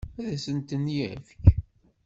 Ad asen-ten-yefk?